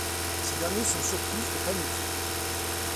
Ces derniers sont surpris et paniquent.